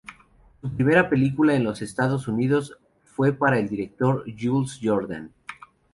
Su primera película en los Estados unidos fue para el director Jules Jordan.